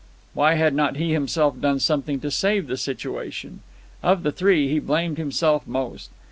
Why had not he himself done something to save the situation? Of the three, he blamed himself most.